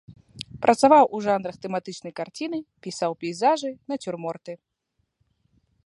Працаваў у жанрах тэматычнай карціны, пісаў пейзажы, нацюрморты.